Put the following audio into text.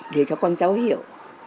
để cho con cháu hiểu